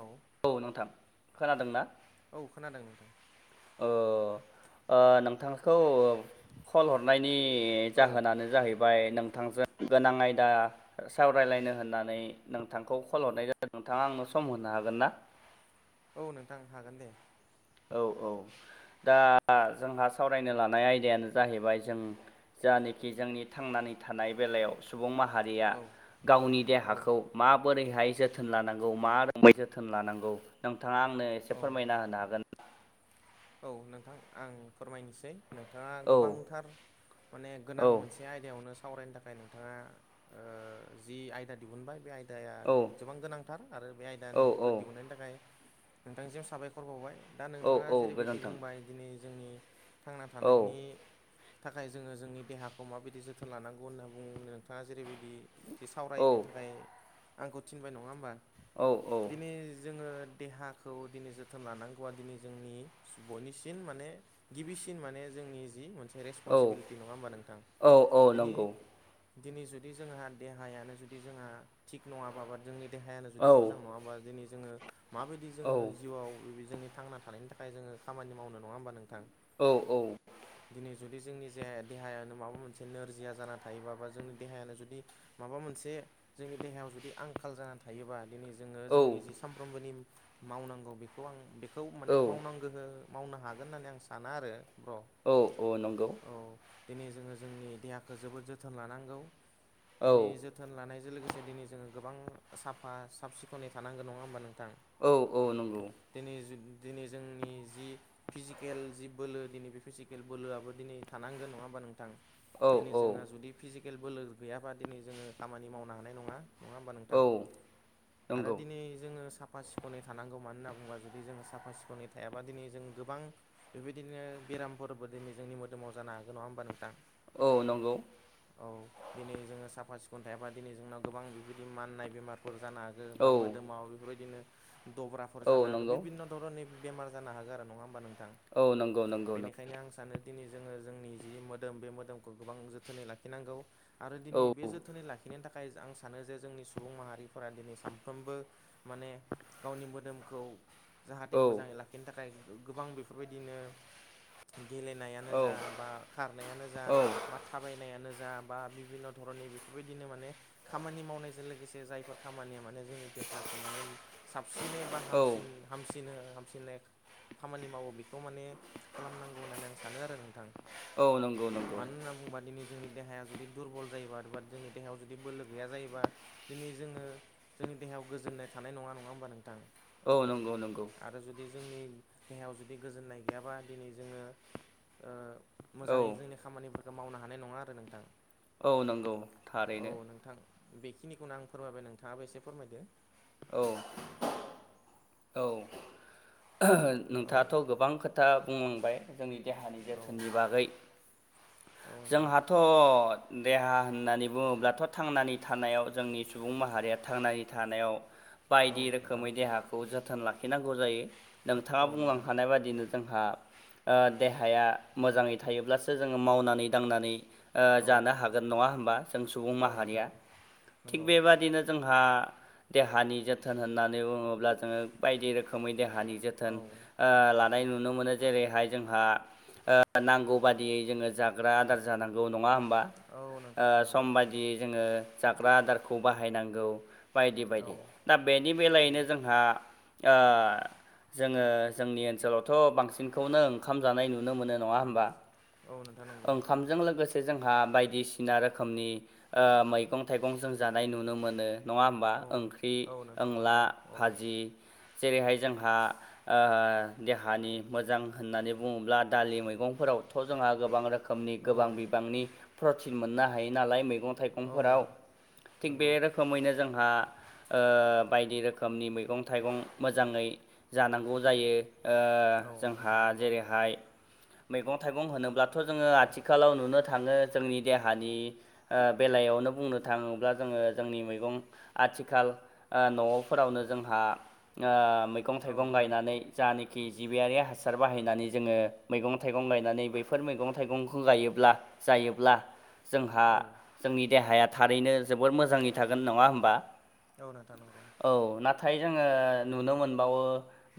औ औ नोंथां खोनादोंना? औ खोनादों नोंथां। ओ आ नोंथांखौ ओ कल हरनायनि औ जाहोनानो जाहैबाय नोंथांजों गोनां आयदा सावरायलायनो होननानै नोंथांखौ कल हरनाय जादों नोंथाङा आंनो सम होनो हागोन ना? औ नोंथां हागोन दे। औ औ दा जोंहा सावरायनो लानाय आयदायानो जाहैबाय जों जानखि जोंनि थांनानै थानाय बेलायाव सुबुं माहारिया औ गावनि औ देहाखौ माबोरैहाय जोथोन लानांगौ मा [unintelligible] जोथोन लानांगौ नोंथाङा आंनो औ एसे फोरमायना होनो हागोन। औ नोंथां आं फोरमायनोसै। नोंथाङा औ गोबांथार माने गोनां औ मोनसे आयदायावनो सा सावरायनो थाखाय नोंथाङा ओ जि आयदा दिहुनबाय बे आय [unintelligible] दाया औ गोबां गोनांथार आरो बे औ आयदानिखौ दिहुननायनि थाखाय नोंथांसिम साबायखर बावबाय दा औ नोंथाङा औ जेरैबायदि गोजोन्थों बुंबाय दिनै जोंनि थांना औ थानायनि थाखाय जोङो जोंनि देहाखौ माबायदि जोथोन लानांगौ होन्ना बुङो नोंथाङा जेरैबायदि जे औ सावरायनो थाखाय आंखौ थिनबाय नङा होमबा औ दिनै जोङो देहाखौ दिनै जोथोन लानांगौया दिनै जोंनि बयनिसिम माने गिबिसिन माने जोंनि जि मोनसे औ रेसपनसिबिलिटि नङा होमबा नोंथां औ औ बिनि नंगौ दिनै जुदि जोंहा देहायानो जुदि जोंहा थिग नङाबाबा जोंनि देहायानो औ जुदि मोजां नङाबा दिनै जोङो माबायदि औ जोङो जिउआव जोंनि थांना थानायनि थाखाय य जोङो खामानि मावनो नङा होमबा नोंथां? [unintelligible] औ औ दिनै जुदि जोंनि जे देहायानो माबा मोनसे नोरजिया जाना थायोबा बा जोंनि देहायानो जुदि माबा मोनसे जोंनि देहायाव जुदि आंखाल जानानै थायोबा दिनै जोङो जोंनि जि सानफ्रोमबोनि मावनांगौ बेखौ आं बेखौ औ माने आ गोहो मावनो हागोन होननानै आं साना आरो ब्र'। औ औ नंगौ। औ दिनै जोङो जोंनि देहाखौ जोबोद जोथोन लानांगौ औ दिनै जोथोन लानायजों लोगोसे दिनै जोङो गोबां साफा साब सिखोनै थानांगौ नङा होमबा नोंथां। औ औ नंगौ। दिनै दिनै जोंनि जि फिजिकेल जि बोलो दिनै बे फिजिकेल बोलोआबो दिनै थानांगोन नङा होमबा नोंथां। औ दिनै जोंहा जुदि फिजिकेल बोलो गैयाबा दिनै जोङो खामानि मावनो हानाय नङा। नङा होमबा औ नोंथां आरो नंगौ दिनै जोङो साफा सिफ सिखोनै थानांगौ मानो होनना बुङोबा जुदि जों साफ सिखोनै थायाबा दिनै जों गोबां बेबायदिनो बेरामफोरबो दिनै जोंनि मोदोमाव जानो हागोन नङा होमबा नोंथां। औ नंगौ। औ दिनै जोङो साफा सिखोन थायाबा दिनै जोंनाव गोबां बेबायदि माननाय बेमारफोर जानो हागौ औ बा मोदोमाव बेफोरबायदिनो दब्राफोर औ जानो हागौ नंगौ बिभिननो धरननि बेमार जानो हागौ आरो नङा होमबा नोंथां औ नंगौ नंगौ नंगौ बेनिखायनो आं सानो दिनै जोङो जोंनि जि मोदोम बे मोदोमखौ गोबां जोथोनै लाखिनांगौ आरो दिनै औ बे जो जोथोनै लाखिनो थाखाय आं सानो जे जोंनि सुबुं माहारिफोरा दिनै सानफ्रोमबो माने गावनि मोदोमखौ औ जाहाथे मोजाङै लाखिनो थाखाय गोबां बेफोरबायदिनो गेलेनायानो औ जा बा खारनायानो जा बा थाबायनायानो जा बा बिभिन्न' धरननि बेफोरबायदिनो माने खामानि मावनायजों लोगोसे जायफोर खामानिया माने जोंनि देहाखौ माने साबसिनै बा औ हामसिन हामसिन हामसिननाय खामानि मावो बेखौ माने खालामनांगौ होननानै आं सानो आरो नोंथां औ नंगौ नंगौ मानो होनना बुंबा दिनै जोंनि देहाया जुदि दुरबल जायोबा एबा जोंनि देहायाव जुदि बोलो गैया जायोबा दिनै जोङो जोंनि देहायाव गोजोननाय थानाय नङा नङा होमबा नोंथां। औ नंगौ नंगौ आरो जुदि जोंनि देहायाव जुदि गोजोननाय गैयाबा दिनै जोङो औ मोजाङै जोंनि खामानिफोरखौ मावनो हानाय नङा आरो नोंथां औ नंगौ औ थारैनो नोंथां बेखिनिखौनो आं फोरमायबाय नोंथाङाबो एसे फोरमायदो औ औ औ नोंथाङाथ' गोबां खोथा बुंलांबाय जोंनि देहानि औ जोथोननि बागै [unintelligible] जोंहाथ' देहा होननानै बुङोब्लाथ' थांनानै थानायाव जोंनि सुबुं माहारिया थांनानै थानायाव औ बायदि नोंथां रोखोमै देहाखौ जोथोन लाखिनांगौ जायो नोंथाङा औ नोंथां बुंलांखानाय बादिनो जोंहा ओ देहाया मोजाङै थायोब्लासो जोङो मावनानै दांनानै ओ औ जानो हागोन नङा होमबा जों सुबुं औ माहारिया नोंथां थिग नंगौ बेबादिनो जोंहा देहानि जोथोन होननानै बुङोब्ला जोङो बायदि रोखोमै देहानि औ जोथोन ओ लानाय नुनो मोनो जेरैहाय जोंहा ओ नांगौ बादियै जोङो जाग्रा ग्रा आदार जानांगौ नङा होनबा औ नोंथां नंगौ सम बादि बिदि जोङो जाग्रा आदारखौ बाहायनांगौ बायदि औ बायदि दा बेनि औ बेलायैनो जोंहा जोङो जोंनि ओनसोलावथ' बांसिनखौनो ओंखाम जानाय नुनो मोनो नङा होमबा औ नोंथां नंगौ जों लोगोसे जोंहा बायदिसिना रोखोमनि मैगं थाइगं जों जानाय नुनो मोनो नङा होमबा औ ओंख्रि औ नोंथां ओंला नंगौ औ भाजि जेरैहाय जोंहा ओ देहानि मोजां होननानै बुङोब्ला दालि मैगंफोरावथ' जोंहा गोबां रोखोम नि औ गोबां बिबांनि प्रटिन मोननो हायो नालाय मैगं औ थाइगंफोराव थिग बे नंगौ रोखोम रोखोमैनो जोंहा बायदि रोखोमनि मैगं थाइगं मोजाङै जानांगौ जायो औ जोंहा नोंथां नंगौ जेरैहाय मैगं थाइगं होनोब्लाथ' जोङो आथिखालाव नुनो थाङो जोंनि देहानि बेलायावनो बुंनो थाङोब्ला जोङो जोंनि मैगं आथिखाल न'फोरावनो जोंहा मैगं औ थाइगं नोंथां गायनानै जानखि जिबियारि हासार बाहायनानै जोङो मैगं थाइगं गायनानै बेफोर मैगं थाइगंखौ गायोब्ला जायोब्ला जोंहा औ जोंनि देहाया थारैनो जोबोर मोजांडै़ थागोन नङा होमबा औ नोंथां नंगौ औ नाथाय जोङो नुनो मोनबावो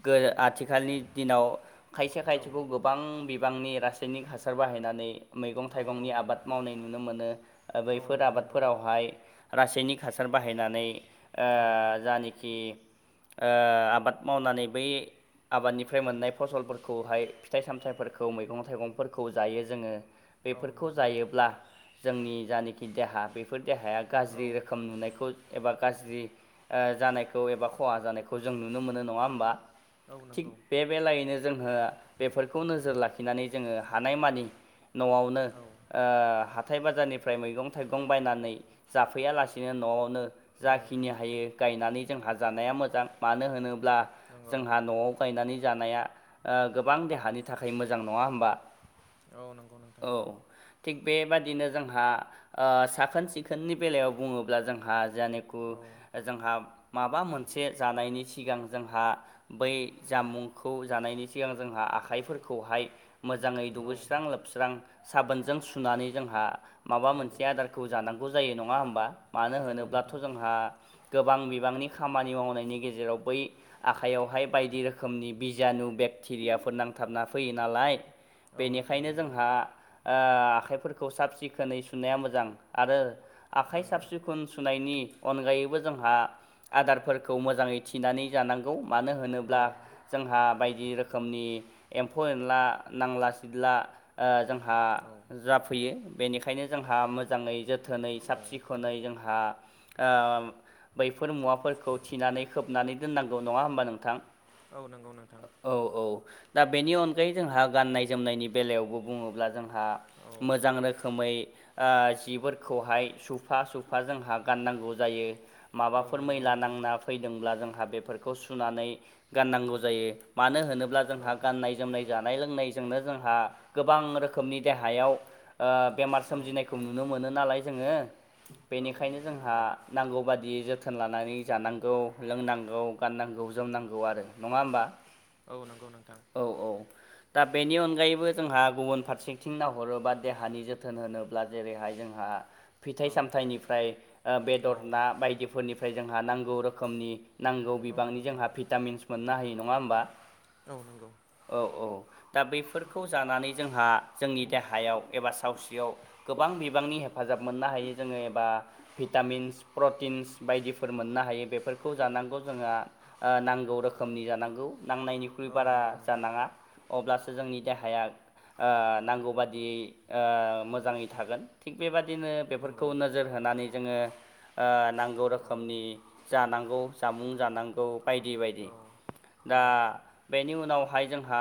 गो आथिखालनि दिनाव खायसे औ खायसेखौ गोबां बिबांनि रासायनिक हासार बाहायनानै मैगं औ थाइगंनि आबाद मावनाय नुनो मोनो औ बैफोर नोंथां नंगौ आबादफोरावहाय रासायनिक हासार बाहायनानै औ जानोखि ओ आबाद मावनानै बै आबादनिफ्राय मोननाय फसलफोरखौहाय फिथाइ सामथाइफोरखौ मैगं थाइगंफोरखौ जायो जोङो औ बेफोरखौ नंगौ जायोब्ला जोंनि जानोखि देहा बेफोर देहाया गाज्रि औ रोखोम नुनायखौ एबा गाज्रि जानायखौ एबा खहा जानायखौ जों नुनो मोनो नङा होमबा औ थिग नंगौ बे बे लागैनो जोंहा बेफोरखौ नोजोर लाखिनानै जोङो हानाय मानि न'आवनो औ ओ हाथाय बाजारनिफ्राय मैगं थाइगं बायनानै जाफैयालासिनो न'आवनो औ जाखिनि हायो गायनानै जोंहा जानाया मोजां मानो होनोब्ला नंगौ जोंहा न'आव लायनानै जानाया गोबां देहानि थाखाय मोजां नङा होमबा नंगौ नोंथां औ थिग बेबादिनो जोंहा साखोन सिखोननि बेलायाव बुङोब्ला जोंहा जा औ [unintelligible] जोंहा माबा मोनसे जानायनि सिगां जोंहा बै जामुंखौ जानायनि सिगां जोंहा आखाइफोरखौहाय मोजाङै औ दुगैस्रां लोबस्रां साबोनजों सुनानै जोंहा माबा औ मोनसे आदार खौ जानांगौ जायो नङा होमबा मानो नंगौ होनोब्लाथ नोंथां जोंहा गोबां बिबांनि खामानि मावनायनि गेजेराव बै आखायावहाय बायदि रोखोमनि बिजानु बेक्ति रियाफोर नांथाबना फैयो नालाय औ नोंथां बेनिखायनो नंगौ जोंहा ओ आखाइफोरखौ साब सिखोनै सुनाया मोजां आरो आखाइ साब नंगौ सिखोन खुन सुनायनि अनगायैबो जोंहा आदारफोरखौ मोजाङै थिनानै जानांगौ मानो होन औ होनोब्ला जोंहा बायदि रोखोमनि एम्फौ एनला नांला सिदला ओ जोंहा औ जाफैयो बेनिखायनो जोंहा मोजाङै जोथो थोनै औ साब सिखोनै जोंहा ओ बैफोर मुवा फोरखौ थिनानै खोबनानै दोननांगौ नङा होमबा नोंथां औ नंगौ नोंथां औ औ दा बेनि अनगायै जोंहा गान्नाय जोमनायनि बेलायावबो बुङोब्ला जों हा औ मोजां रोखोमै आ जिफोरखौहाय सुफा सुफा जोंहा गाननांगौ जायो औ माबाफोर नंगौ मैला नोंथां नांना फैदोंब्ला जोंहा बेफोरखौ सुनानै गाननांगौ जायो मानो होनोब्ला जोंहा औ गाननाय जोमनाय जानाय लोंनायजोंनो जोंहा गोबां रोखोमनि देहायाव बेमार औ सोमजिनाय खौ नुनो मोनो नालाय जोङो औ बेनिखायनो नोंथां जोंहा नंगौ नांगौ बादि जोथो थोन लानानै जानांगौ लोंनांगौ गाननांगौ जोमनांगौ आरो नङा होमबा औ नंगौ नोंथां औ औ दा बेनि अनगायैबो जोंहा गुबुन फारसेथिं नायहरोबा देहानि जोथोन होनो जेरैहाय जोंहा फिथाइ औ सामथाइनिफ्राय औ बेदर ना बायदिफोरनिफ्राय जोंहा नांगौ रोखोमनि नांगौ औ बिबांनि नोंथां जोंहा भिटामिनस मोननो हायो नङा होमबा औ नंगौ। औ औ दा बैफोरखौ जानानै जोंहा जोंनि देहायाव एबा सावस्रियाव गोबां बिबांनि हेफाजाब मोननो हायो जोङो एबा भिटामिनस प्रटिनस बायदिफोर मोननो हायो बेफोरखौ जानांगौ जोंहा ओ नांगौ रोखोमनि जानांगौ नांनायनि औ बारा नंगौ नोंथां जानाङा अब्लासो जोंनि देहाया ओ नांगौ बादियै ओ मोजाङै थागोन थिग बेबादिनो बेफोरखौ नंगौ नोजोर होनानै जोङो आ नांगौ औ रोखोमनि जानांगौ जामुं जानांगौ बायदि बायदि औ दा नंगौ बेनि उनावहाय जोंहा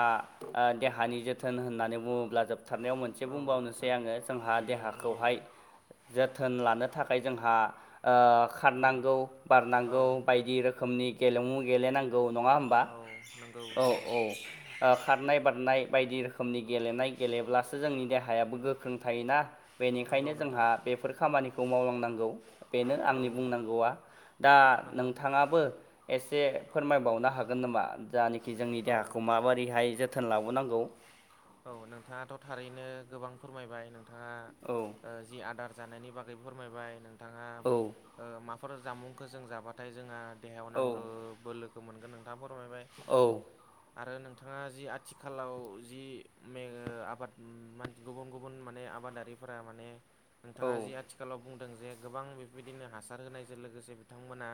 ओ देहानि जोथोन होननानै बुङोब्ला जों जोबथारनायाव मोनसे औ नोंथां बुंबावनोसै आङो जोंहा दे बुंबावदो देहाखौहाय जोथोन लानो थाखाय जोंहा ओ औ खारनांगौ औ बारनांगौ बायदि रोखोमनि गेलेमु गेलेनांगौ नङा होमबा? औ नंगौ बा औ नंगौ औ। ओ खारनाय बारनाय बायदि रोखोमनि गेलेनाय गेलेब्लासो जोंनि देहायाबो गोख्रों थायोना। नंगौ बेनिखायनो नोंथां जोंहा बेफोर खामानिखौ मावलांनांगौ बेनो औ आंनि बुंनांगौआ दा नंगौ नोंथाङाबो एसे फोरमायबावनो हागोन नामा? जानाखि जोंनि औ देहाखौ नोंथां माबोरैहाय जोथोन लाबोनांगौ? औ नोंथाङाथ' थारैनो गोबां फोरमायबाय नोंथाङा औ ओ जि आदार जानायनि बागै फोरमायबाय नोंथाङा औ ओ माफोर जामुंखौ जों जाबाथाय जोंहा देहायाव औ नांगौ बोलोखौ मोनगोन नोंथाङा फोरमायबाय। औ आरो नोंथाङा जि आथिखालाव जि मे आबाद गुबुन गुबुन माने आबादारिफोरा माने नोंथाङा औ जि आथि खालाव बुंदों जे गोबां बेबायदिनो हासार होनायजों लोगोसे बिथांमोना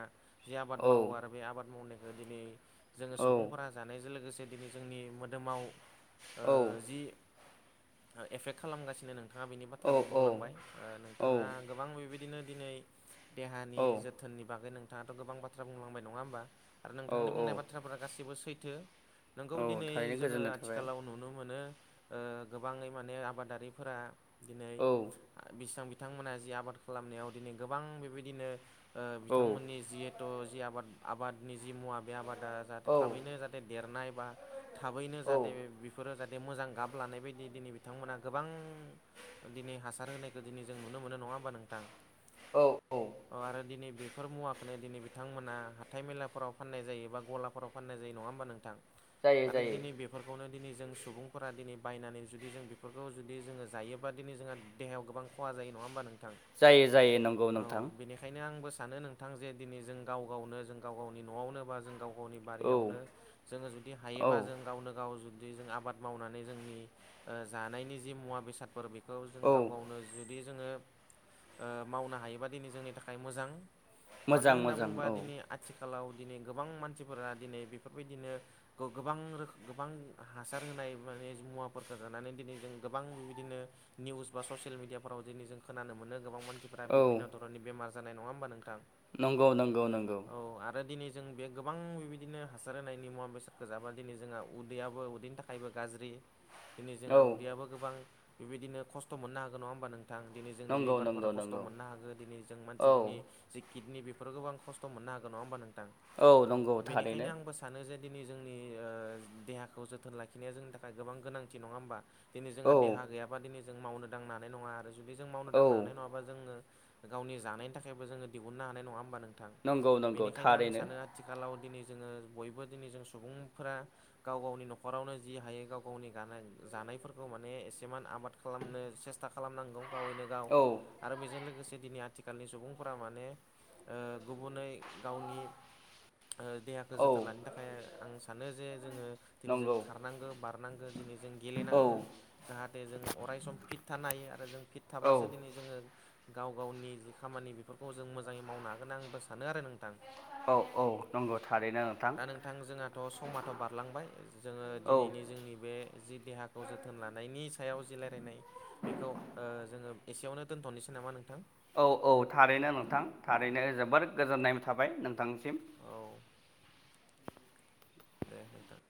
जि आबाद औ मावो आरो बे आबाद मावनायखौ दिनै जोङो औ सुबुंफोरा जानायजों लोगोसे दिनै जोंनि मोदोमाव ओ जि एफेक्ट खालामगासिनो नोंथाङा बिनि बाथ्राबो बुंलांबाय ओ नोंथाङा गोबां बेबायदिनो दिनै देहानि औ जो थोननि बागै नोंथाङाथ' गोबां बाथ्रा बुंलांबाय नङा होमबा आरो औ नोंथांनि औ बुंनाय बाथ्राफोरा गासिबो सैथो‌ नोंखौ औ दिनै थारैनो जोङो गोजोननाय थाबाय आथिखालाव नुनो मोनो ओ गोबाङै माने आबादारिफोरा दिनै औ बेसेबां बिथांमोनहा जि आबाद खालामनायाव दिनै गोबां बेबायदिनो ओ औ बिथांमोननि जि थ' जि आबाद आबादनि जि मुवा बे आबादा औ जाहाथे थाबैनो जाहाथे देरनाय बा थाबैनो जाहाथे औ बेफोरो जाहाथे मोजां गाब लानाय बायदि दिनै बिथांमोना गोबां दिनै हासार होनायखौ दिनै जों नुनो मोनो नङा होमबा नोंथां? औ औ ओ आरो दिनै बेफोर मुवाखौनो दिनै बिथांमोना हाथाय मेलाफोराव फाननाय जायो बा गलाफोराव फाननाय जायो नङा होमबा नोंथां जायो आरो जायो दिनै बेफोरखौनो दिनै जों सुबुंफोरा दिनै बायनानै जुदि जों बेफोरखौ जुदि जोङो जायोबा दिनै जोंहा देहायाव गोबां खहा जायो नङा होमबा नोंथां। जायो जायो नंगौ नोंथां। ओंखायनो आंबो सानो नोंथां जे दिनै जों गाव गावनो जों गाव गावनि न'आवनो बा जों गाव गावनि औ बारियावनो जोङो जुदि हायोबा औ जों गावनो गाव जु जि जों आबाद मावनानै जोंनि ओ जानायनि जि मुवा बेसादफोर बेखौ जों गाव औ गावनो जि जुदि जोङो ओ मावनो हायोबा दिनै जोंनि थाखाय मोजां। मानो मोजां होनना मोजां बुंङोबा औ दिनै आथिखालाव दिनै गोबां मानसिफोरा दिनै बेफोरबायदिनो गोबां रोखो गोबां हासार होनाय माने मुवाफोरखौ जानानै दिनै जों गोबां बेबायदिनो निउस बा ससियेल मिडियाफोराव दिनै जों खोनानो मोनो गोबां मान सिफोरा औ बिभिन्न धरननि बेमार जानाय नङा होमबा नोंथां? नंगौ नोंगौ नोंगौ। औ आरो दिनै जों बे गोबां बेबायदिनो हासार होनायनि मुवा बेसादखौ जाबा दिनै जोंहा उदैयाव उदैनि थाखायबो गाज्रि दिनै जोंहा औ उदैयाबो गोबां बेबायदिनो खस्थ' मोननो हागोन नङा होमबा नों थां दिनै जोंनि नंगौ लिभारफोरा नंगौ खस्थ' नंगौ मोननो हागौ दिनै जों मानसिफोरनि औ जि किडनि बेफोराव गोबां खस्थ' मोननो हागोन नङा होमबा नोंथां औ नंगौ बेनिखायनो थारैनो आंबो सानो जे दिनै जोंनि देहाखौ जोथोन लाखिनाया जोंनि थाखाय गोबां गोनांथि नङा होमबा दिनै जोंहा औ देहा गैयाबा दिनै जों मावनो दांनो हानाय नङा आरो जुदि जों मावनो औ दांनो हानाय नङाबा जोङो गावनि जानायनि थाखायबो जोङो दिहुननो हानाय नङा होमबा नोंथां नंगौ नंगौ बेनिखायनो आं थारैनो सानो आथिखालाव दिनै जोङो बयबो दिनै जों सुबुंफोरा गाव गाव गाव गावनि न'खरावनो जि हायो गाव गावनि जानायफोरखौ माने एसे आबाद खालामनो से सेसथा खालामनांगौ गावनो गाव औ आरो बेजों लोगोसे दिनै आथिखालनि सुबुंफोरा माने गुबुनै गावनि ओ देहाखौ औ जोथोन लानो थाखाय आं सानो जे जोङो दिनै जों नंगौ खारनांगौ बारनांगौ दिनै जों औ गेलेनांगौ जाहाथे जों अरायसम फिट थानो हायो आरो जों फिट औ थाब्लासो दिनै जोंनि जोङो गाव गावनि जि खामानि बेफोरखौ जों मोजाङै मावनो हागोन आंबो सानो आरो नोंथां औ औ नंगौ थारैनो दा नोंथां जोंहाथ' समाथ' बारलांबाय जोङो औ दिनैनि जोंनि बे जि देहाखौ जोथोन लानायनि सायाव जि रायलायनाय बेखौ ओ जोङो एसेयावनो दोनथ'नोसै नामा नोंथां औ औ थारैनो नोंथां थारैनो जोबोर गोजोननाय थाबाय नोंथांसिम औ दे नोंथां